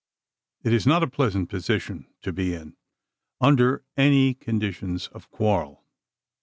It is not a pleasant position to be in, under any conditions of quarrel.